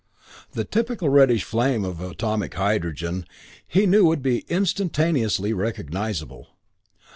The typical reddish flame of atomic hydrogen, he knew, would be instantaneously recognizable.